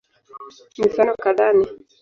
Mifano kadhaa ni